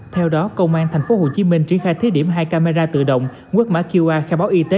theo đó công an tp hcm triển khai thí điểm hai camera tự động quét mã qr khai báo y tế